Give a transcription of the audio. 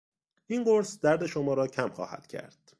این قرص درد شما را کم خواهد کرد.